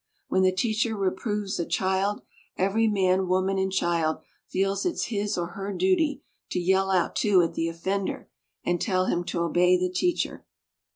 When the teacher reproves a child, every man, ,woman, and child feels it his or her duty to yell out too at the offender and tell him to obey the teacher.